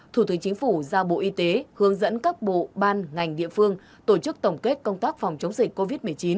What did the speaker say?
thủ tướng chính phủ giao bộ y tế hướng dẫn các bộ ban ngành địa phương tổ chức tổng kết công tác phòng chống dịch covid một mươi chín